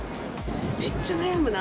めっちゃ悩むな。